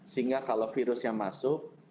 sehingga kalau virus yang masuk